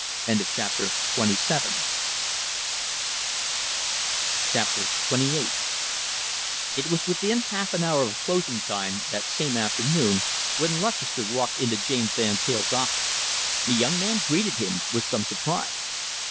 CHAPTER XXVIII It was within half an hour of closing time that same afternoon when Lutchester walked into James Van Teyl's office. The young man greeted him with some surprise.